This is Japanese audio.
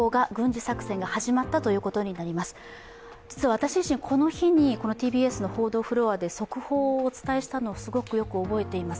私自身、この日にＴＢＳの報道フロアで速報をお伝えしたのをすごくよく覚えています。